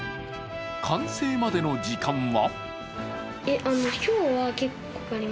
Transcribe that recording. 完成までの時間は？